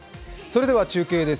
中継です。